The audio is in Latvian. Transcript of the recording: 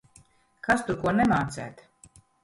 Kas tur ko nemācēt?!